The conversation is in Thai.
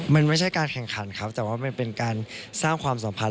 มันไม่ใช่การแข่งขันครับแต่ว่ามันเป็นการสร้างความสัมพันธ